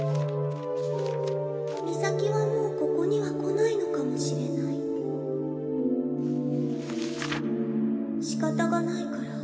「ミサキはもうここには来ないのかもしれない」「仕方がないから」